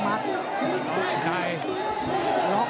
ตามต่อยกที่สองครับ